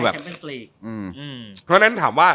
เพราะฉะนั้นถามว่า